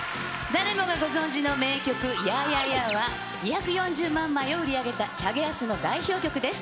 誰もがご存じの名曲、ＹＡＨＹＡＨＹＡＨは、２４０万枚を売り上げたチャゲアスの代表曲です。